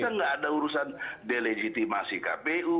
kan nggak ada urusan delegitimasi kpu